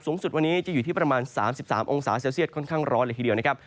สูงสุดวันนี้จะอยู่ที่ประมาณ๓๓องศาเซลเซียตค่อนข้างร้อนเลยทีเดียวนะครับ